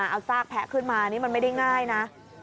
เอาซากแพะขึ้นมานี่มันไม่ได้ง่ายนะ